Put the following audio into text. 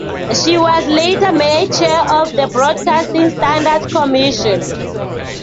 She was later made Chair of the Broadcasting Standards Commission.